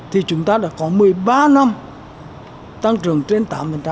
thì chúng ta đã có một mươi ba năm tăng trưởng trên tám